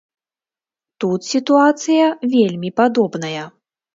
Тут сітуацыя вельмі падобная.